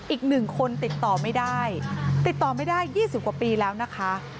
อีกหนึ่งคนติดต่อไม่ได้ติดต่อไม่ได้๒๐กว่าปีแล้วนะคะ